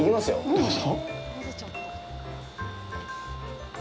どうぞ。